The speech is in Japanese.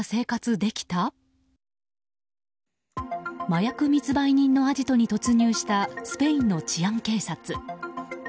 麻薬密売人のアジトに突入したスペインの治安警察。